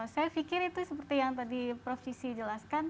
saya pikir itu seperti yang tadi prof cissi jelaskan